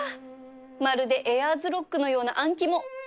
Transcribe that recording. まるでエアーズロックのようなあん肝